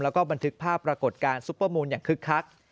แล้วก็บันทึกภาพปรากฏการณ์ซุปเปอร์มูลอย่างคึกคัก